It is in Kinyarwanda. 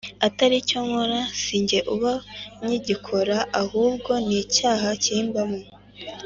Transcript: Atari cyo nkora si jye uba nkigikora ahubwo ni icyaha kimbamo